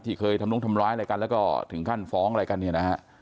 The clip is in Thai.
เคยทำนุ้งทำร้ายอะไรกันแล้วก็ถึงขั้นฟ้องอะไรกันเนี่ยนะฮะ